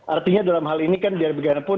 artinya dalam hal ini kan biar bagaimanapun